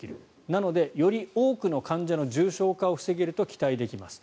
なので、より多くの患者の重症化を防げると期待できます